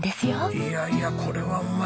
いやいやこれはうまいでしょ。